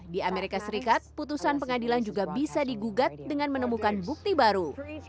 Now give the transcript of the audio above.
di amerika serikat putusan pengadilan juga bisa digugat dengan menemukan bukti baru